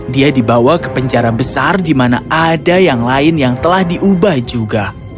dia dibawa ke penjara besar di mana ada yang lain yang telah diubah juga